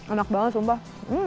enak banget sumpah